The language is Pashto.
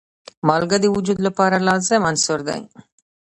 مالګه د وجود لپاره لازم عنصر دی.